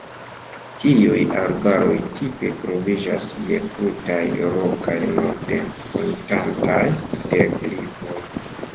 Tiuj arbaroj tipe troviĝas je krutaj, rokaj norden-fruntantaj deklivoj.